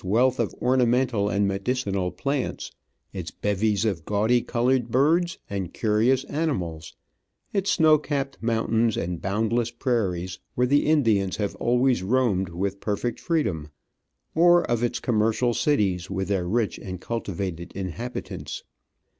163 wealth of ornamental and medicinal plants, its bevies of gaudy coloured birds and curious animals, its snow capped mountains and boundless prairies where the Indians have always roamed with perfect freedom ; or of its commercial cities, with their rich and culti vated inhabitants.